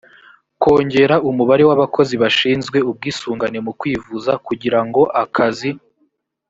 kongera umubare w abakozi bashinzwe ubwisungane mu kwivuza kugira ngo akazi